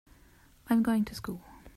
I'm going to school.